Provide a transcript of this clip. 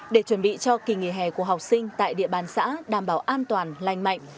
để chuẩn bị cho kỳ nghỉ hè của học sinh tại địa bàn xã đảm bảo an toàn lành mạnh